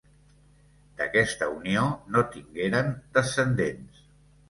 D'aquesta unió no tingueren descendents.